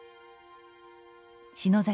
篠崎